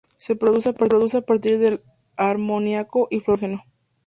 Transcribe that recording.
Se produce a partir de amoníaco y fluoruro de hidrógeno.